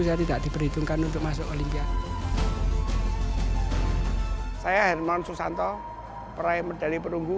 saya tidak diperhitungkan untuk masuk olimpiade saya hermann susanto peraim medal perunggu